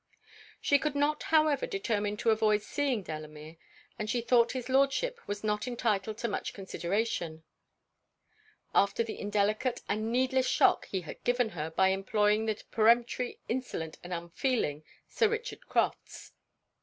She could not however determine to avoid seeing Delamere; and she thought his Lordship was not entitled to much consideration, after the indelicate and needless shock he had given her, by employing the peremptory, insolent, and unfeeling Sir Richard Crofts.